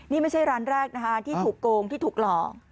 นี่ไม่ใช่ร้านแรกนะคะที่ถูกโกงที่ถูกหลอก